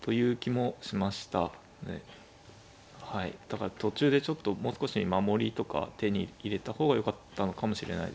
はいだから途中でちょっともう少し守りとか手に入れた方がよかったのかもしれないです。